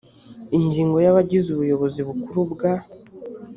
ingingo ya abagize ubuyobozi bukuru bwa